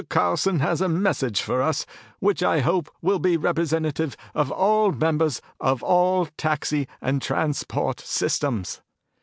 Carlson has a message for us which I hope will be representative of all members of all taxi and transport systems."